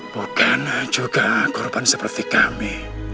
bukan juga korban seperti kami